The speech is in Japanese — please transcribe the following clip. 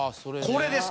これです